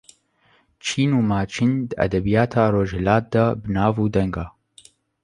Çîn û Maçin di edebiyata rojhilat de bi nav û deng e.